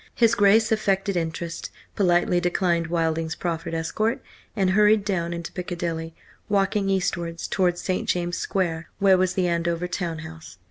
His Grace affected interest, politely declined Wilding's proffered escort, and hurried down into Piccadilly, walking eastwards towards St. James's Square, where was the Andover town house.